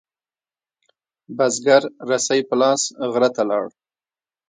بزگر رسۍ په لاس غره ته لاړ.